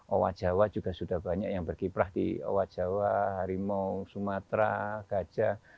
owa jawa juga sudah banyak yang berkiprah di owa jawa harimau sumatera gajah